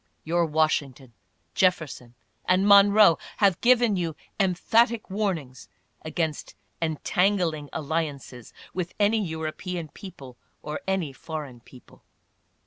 Your Washington, Jefferson and Monroe have given you em phatic warnings against "entangling alliances" with any Eu ropean people or any foreign people.